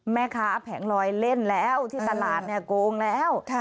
แม่ค้าแผงลอยเล่นแล้วที่ตลาดเนี่ยโกงแล้ว